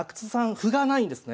歩が無いんですね。